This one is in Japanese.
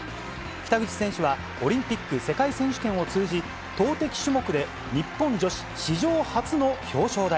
北口選手は、オリンピック、世界選手権を通じ、投てき種目で日本女子史上初の表彰台。